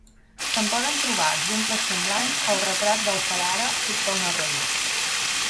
Se'n poden trobar exemples semblants al retrat del frare fet pel narrador.